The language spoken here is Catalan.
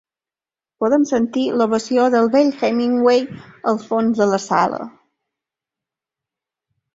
Podem sentir l'ovació del vell Hemingway al fons de la sala.